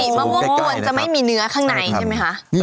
มะม่วงกวนจะไม่มีเนื้อข้างในใช่ไหมคะ